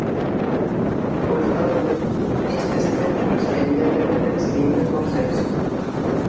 Polo tanto, estes centros evidentemente discriminan por sexo.